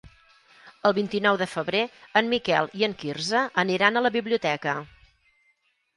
El vint-i-nou de febrer en Miquel i en Quirze aniran a la biblioteca.